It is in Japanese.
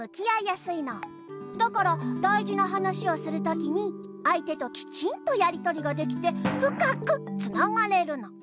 だからだいじな話をするときにあい手ときちんとやりとりができてふかくつながれるの。